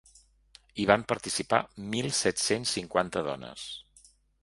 Hi van participar mil set-cents cinquanta dones.